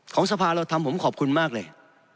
สภาเราทำผมขอบคุณมากเลย